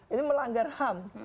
ini melanggar ham